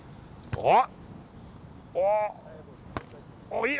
あっ！